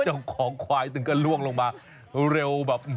เจ้าของควายถึงก็ล่วงลงมาเร็วแบบ